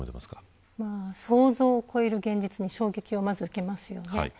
想像を超える現実に衝撃を受けますよね。